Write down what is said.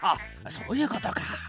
そういうことか。